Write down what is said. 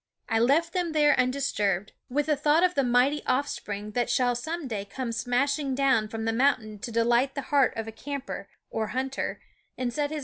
I left them there undisturbed, with a thought of the mighty offspring that shall some day come smashing down from the moun tain to delight 306 the heart of camper or hunter and set his JHJfi